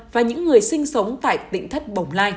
và những người sinh sống tại tp hcm